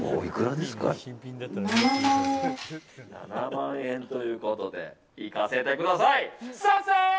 ７万円ということでいかせてください、サクセース！